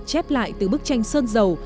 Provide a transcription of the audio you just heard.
chép lại từ bức tranh sơn dầu